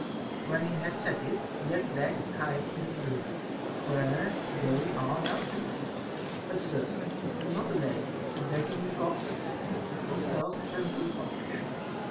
When he had said this, he led back Archias into the room, where they are now drinking. But, sirs, let us not delay, but begging the God's assistance, put ourselves presently upon action.